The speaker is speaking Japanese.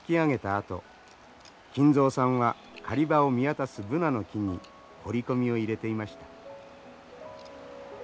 あと金蔵さんは狩り場を見渡すブナの木に彫り込みを入れていました。